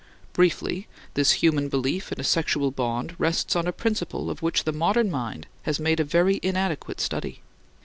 Briefly, this human belief in a sexual bond rests on a principle of which the modern mind has made a very inadequate study.